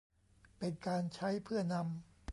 เป็นการใช้เพื่อนำ